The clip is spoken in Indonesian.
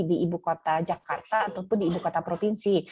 di ibukota jakarta ataupun di ibukota provinsi